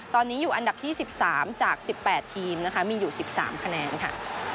ตอนนี้อยู่อันดับที่๑๓จาก๑๘ทีมนะคะมีอยู่๑๓คะแนนค่ะ